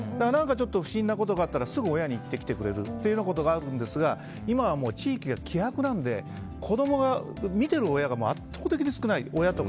不審なことがあったらすぐに親に言ってきてくれるということがあるんですが今は地域が希薄なので子供を見ている親とか大人が圧倒的に少ない。